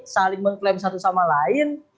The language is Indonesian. saling mengklaim satu sama lain